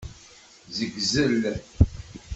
Ssegzel.